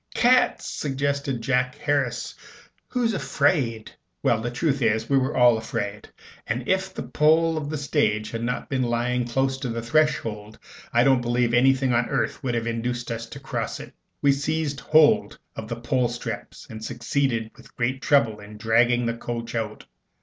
"Cats!" suggested Jack Harris. "Who's afraid?" Well, the truth is, we were all afraid; and if the pole of the stage had not been lying close to the threshold, I don't believe anything on earth would have induced us to cross it. We seized hold of the pole straps and succeeded with great trouble in dragging the coach out.